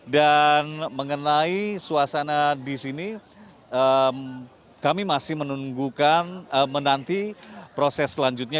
dan mengenai suasana disini kami masih menunggu proses selanjutnya